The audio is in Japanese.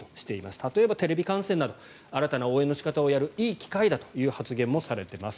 例えばテレビ観戦など新たな応援の仕方をやるいい機会だという発言をされています。